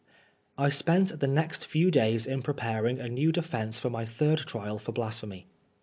I spent the next few days in preparing a new de fence for my third trial for Blasphemy.